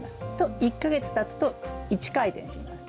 １か月たつと１回転します。